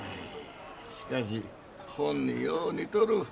しかしほんによう似とる。